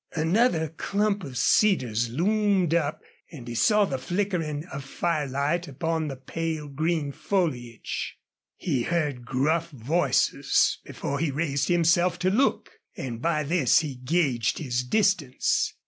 Another clump of cedars loomed up, and he saw the flickering of firelight upon the pale green foliage. He heard gruff voices before he raised himself to look, and by this he gauged his distance.